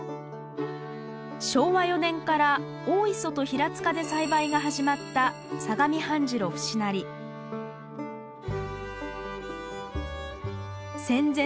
昭和４年から大磯と平塚で栽培が始まった相模半白節成戦前